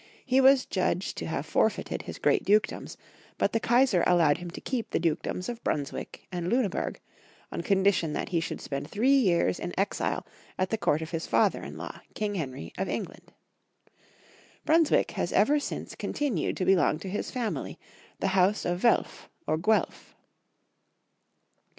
He was judged to have forfeited his great dukedoms, \ but the Kaisar allowed him to keep the Dukedoms of Bnmswick and Luneburg, on condition that he should spend three years in exile at the court of his father in law, King Henry of England. Bruns wick has ever since continued to belong to his fam ily, the house of Welf or Guelf.